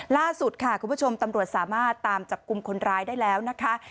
ล่าสุดค่ะคุณผู้ชมตำรวจสามารถตามจับกลุ่มคนร้ายได้แล้วนะคะ